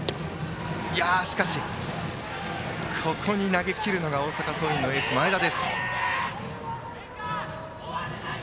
しかしここに投げきるのが大阪桐蔭のエース、前田。